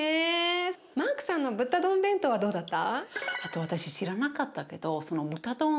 マークさんの豚丼弁当はどうだった？